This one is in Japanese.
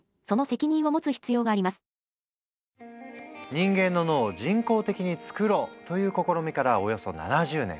人間の脳を人工的に作ろうという試みからおよそ７０年。